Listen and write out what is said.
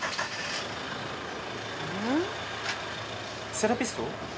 セラピスト？